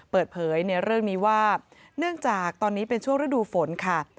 เปิดเผยในเรื่องนี้ว่าเนื่องจากตอนนี้เป็นช่วงฤดูฝนค่ะ